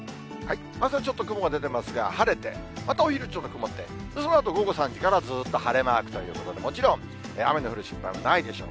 朝ちょっと雲が出てますが、晴れてまたお昼ちょっと曇って、そのあと午後３時からずっと晴れマークということで、もちろん雨の降る心配はないでしょう。